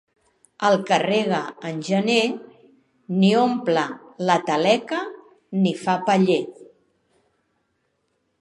El que rega en gener, ni omple la taleca ni fa paller.